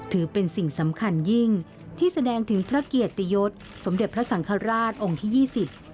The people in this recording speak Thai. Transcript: ถือเป็นสิ่งสำคัญยิ่งที่แสดงถึงพระเกียรติยศสมเด็จพระสังฆราชองค์ที่ยี่สิบ